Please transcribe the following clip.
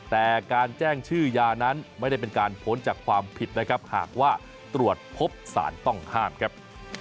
แต่การแจ้งชื่อยานั้นไม่ได้เป็นการพ้นจากความผิดนะครับหากว่าตรวจพบสารต้องห้ามครับ